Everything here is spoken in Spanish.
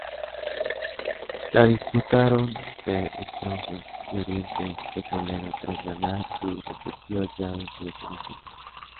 La disputaron The Strongest y Oriente Petrolero tras ganar sus respectivas llaves de semifinales.